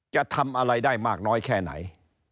จะทำอะไรได้มากน้อยแค่ไหน